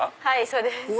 はいそうです。